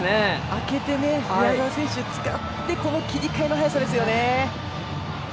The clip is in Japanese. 空けて宮澤選手使ってこの切り替えの早さですよね。